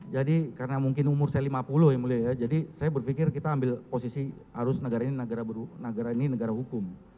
jadi karena mungkin umur saya lima puluh ya mulia ya jadi saya berpikir kita ambil posisi harus negara ini negara hukum